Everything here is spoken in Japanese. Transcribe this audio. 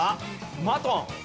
マトン。